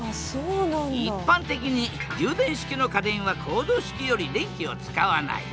一般的に充電式の家電はコード式より電気を使わない。